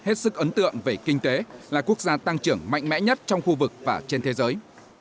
hết sức ấn tượng về kinh tế là quốc gia tăng trưởng mạnh mẽ nhất trong khu vực và trên thế giới